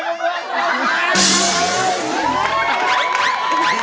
ไม่เป็นไร